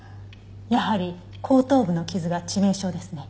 やはり後頭部の傷が致命傷ですね。